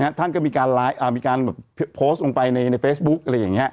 นะฮะท่านก็มีการไลค์อ่ามีการแบบโพสต์ลงไปในในเฟซบุ๊กอะไรอย่างเงี้ย